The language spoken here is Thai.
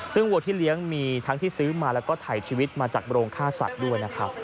ซึ่งวัวที่เลี้ยงมีทั้งที่ซื้อมาแล้วก็ถ่ายชีวิตมาจากโรงฆ่าสัตว์ด้วยนะครับ